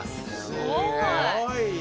すごいな！